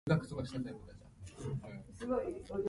堺筋本町駅